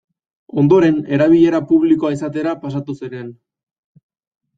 Ondoren erabilera publikoa izatera pasatu ziren.